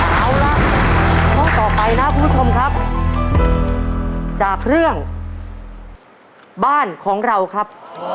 เอาล่ะข้อต่อไปนะคุณผู้ชมครับจากเรื่องบ้านของเราครับ